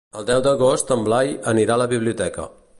El deu d'agost en Blai anirà a la biblioteca.